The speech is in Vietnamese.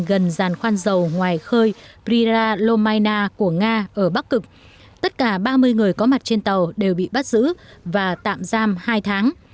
gần giàn khoan dầu ngoài khơi priralomina của nga ở bắc cực tất cả ba mươi người có mặt trên tàu đều bị bắt giữ và tạm giam hai tháng